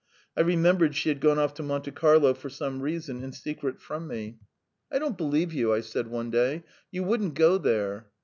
I remembered she had gone off to Monte Carlo for some reason in secret from me. "I don't believe you," I said one day. "You wouldn't go there."